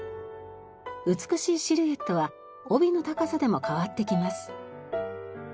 美しいシルエットは帯の高さでも変わってきます。